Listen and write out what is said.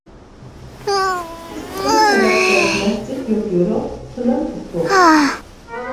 چىقتىم سەدەپتەك مەسچىت يوپيورۇق، تىلىم ئۇپۇق.